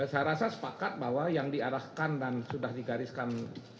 saya rasa sepakat bahwa yang diarahkan dan sudah digariskan